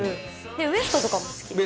ウエストとかも好きですね。